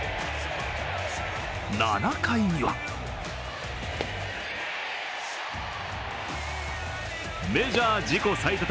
７回にはメジャー自己最多